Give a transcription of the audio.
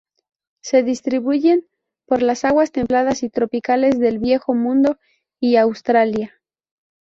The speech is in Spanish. Se distribuyen por las aguas templadas y tropicales del Viejo Mundo y Australia.